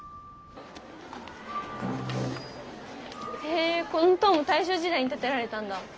へえこの塔も大正時代に建てられたんだ。